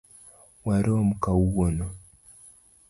Warom kawuono.